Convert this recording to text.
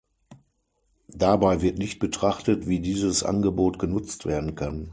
Dabei wird nicht betrachtet, wie dieses Angebot genutzt werden kann.